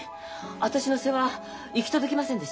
私の世話行き届きませんでした？